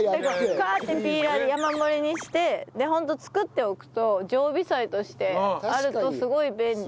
カーッてピーラーで山盛りにして。でホント作っておくと常備菜としてあるとすごい便利なので。